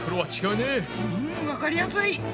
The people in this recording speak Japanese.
うんわかりやすい！